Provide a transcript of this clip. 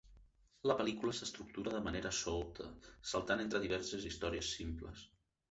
La pel·lícula s'estructura de manera solta, saltant entre diverses històries simples.